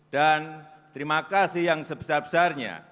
dan terima kasih yang sebesar besarnya